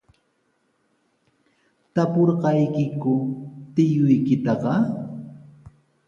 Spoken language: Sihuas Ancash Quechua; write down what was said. ¿Tapurqaykiku tiyuykitaqa?